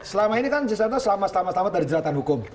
selama ini kan st novanto selamat selamat dari jelatan hukum